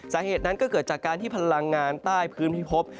สาเหตุนั้นก็เกิดจากการที่พลังงานใต้พื้นพิพบ